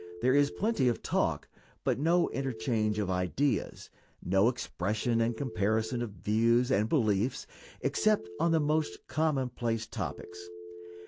There is plenty of talk, but no interchange of ideas; no expression and comparison of views and beliefs, except on the most commonplace topics.